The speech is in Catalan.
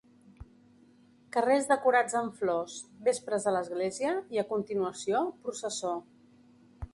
Carrers decorats amb flors, Vespres a l'Església i a continuació Processó.